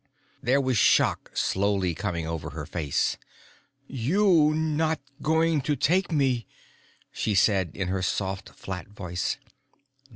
There was shock slowly coming over her face. "You not going to take me," she said, in her soft, flat voice.